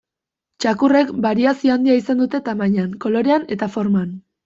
Txakurrek bariazio handia izan dute tamainan, kolorean eta forman.